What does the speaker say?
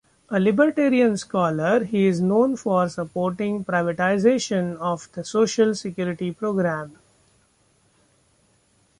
A libertarian scholar, he is known for supporting privatization of the Social Security program.